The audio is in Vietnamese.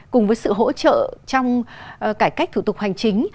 cùng với sự hỗ trợ trong cải cách thủ tục hành chính